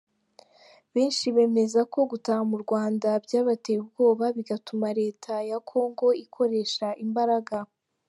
Benshi bemeza ko gutaha mu Rwanda byabateye ubwoba bigatuma leta ya Kongo ikoresha imbaraga.